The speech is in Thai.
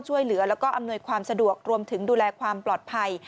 ช่วยเหลือแล้วก็อำนวยความสะดวกรวมถึงดูแลความปลอดภัย